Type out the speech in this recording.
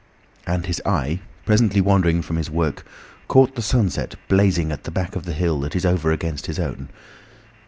And his eye, presently wandering from his work, caught the sunset blazing at the back of the hill that is over against his own.